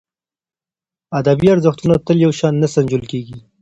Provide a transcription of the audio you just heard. ادبي ارزښتونه تل یو شان نه سنجول کېږي.